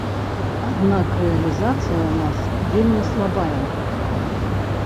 Аднак рэалізацыя ў нас вельмі слабая.